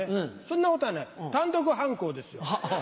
そんなことはない単独犯行ですよ。